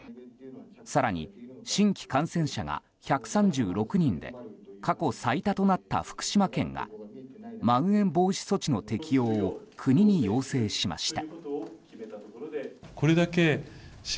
更に新規感染者が１３６人で過去最多となった福島県はまん延防止措置の適用を国に要請しました。